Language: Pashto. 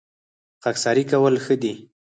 خاکساري کول ښه دي